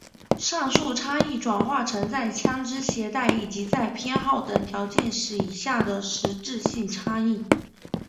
上述差异转化成在枪枝携带以及在偏好等条件以下的实质性差异。